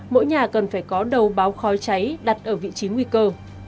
mỗi nhà cần phải có đầu báo khói cháy đặt ở vị trí nguy cơ